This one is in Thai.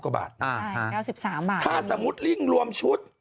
ใช่๙๓บาทอย่างนี้ถ้าสมมุติริ่งรวมชุด